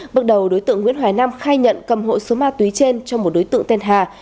bước đầu đối tượng nguyễn hoài nam khai nhận cầm hộ số ma túy trên cho một đối tượng tên hà